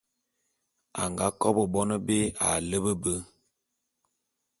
A nga kobô bone bé a lepe be.